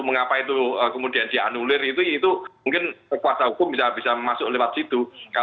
mengapa itu kemudian dianulir itu mungkin kekuasaan hukum bisa masuk lewat situ